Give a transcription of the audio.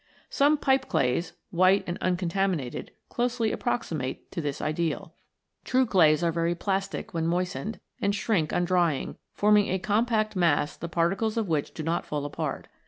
Some Pipe clays, white and uncon taminated, closely approximate to this ideal. True iv] CLAYS, SHALES, AND SLATES 79 clays are very plastic when moistened, and shrink on drying, forming a compact mass the particles of which do not fall apart.